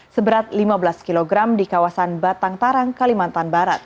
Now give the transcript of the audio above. seberat lima belas kg di kawasan batang tarang kalimantan barat